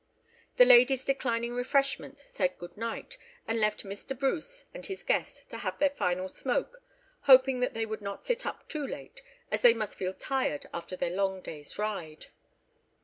The ladies declining refreshment, said good night, and left Mr. Bruce and his guest to have their final smoke, hoping that they would not sit up too late, as they must feel tired after their long day's ride.